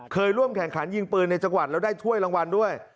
เคยร่วมแข่งขันยิงปืนในจังหวัดแล้วได้ถ้วยรางวัลด้วย